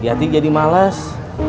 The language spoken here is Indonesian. di sini yati jadi males